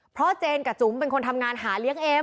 เพราะเจนกับจุ๋มเป็นคนทำงานหาเลี้ยงเอม